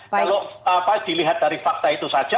kalau dilihat dari fakta itu saja